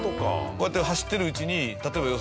こうやって走ってるうちに例えば。へえ！